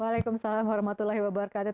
waalaikumsalam warahmatullahi wabarakatuh